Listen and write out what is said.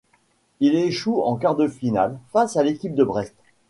Ils échouent en quart de finale, face à l'équipe de Brest.